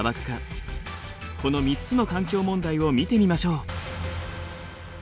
この３つの環境問題を見てみましょう。